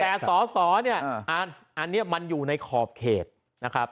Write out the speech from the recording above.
แต่สอสอเนี่ยอันนี้มันอยู่ในขอบเขตนะครับ